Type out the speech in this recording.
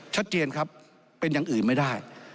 ชัดเจนครับเป็นอย่างอื่นไม่ได้